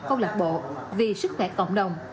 câu lạc bộ vì sức khỏe cộng đồng